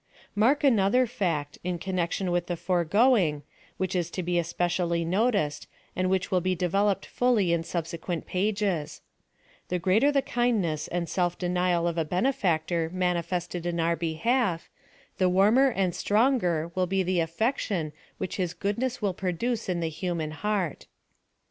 Mark another fact, in connection with the forego ing, which is to be especially noticed, and which will be developed fully in subse(}ucnt pages — The t^reater the kindness and self denial of a benefactor manifested in our behalf, the warmer and the stronger will be the alfection wiiich his goodness will produce in the human heart.